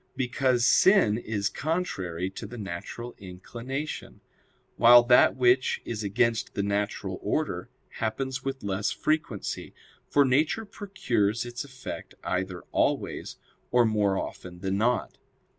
Because sin is contrary to the natural inclination; while that which is against the natural order happens with less frequency; for nature procures its effects either always, or more often than not.